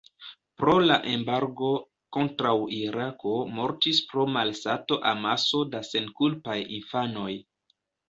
Pro la embargo kontraŭ Irako mortis pro malsato amaso da senkulpaj infanoj.